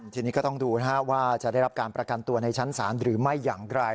ทีนี้ก็ต้องดูว่าจะได้รับการประกันตัวในชั้นศาลหรือไม่อย่างไร